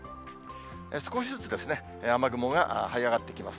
少しずつ雨雲がはい上がってきます。